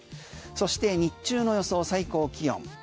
そして日中の予想最高気温。